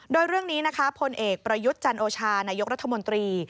โดยเรื่องนี้นะคะพลเอกประยุทธ์จันโอชานายกรัฐมนตรี